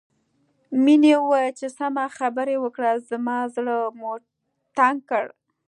مينې وويل چې سمه خبره وکړئ زما زړه مو تنګ کړ